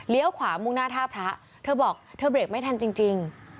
ขวามุ่งหน้าท่าพระเธอบอกเธอเบรกไม่ทันจริง